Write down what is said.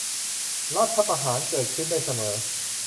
รัฐประหารเกิดขึ้นได้เสมอ